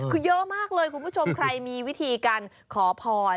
คือเยอะมากเลยคุณผู้ชมใครมีวิธีการขอพร